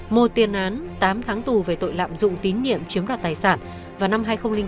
một tiền án tám tháng tù về tội lạm dụng tín nhiệm chiếm đoạt tài sản vào năm hai nghìn bốn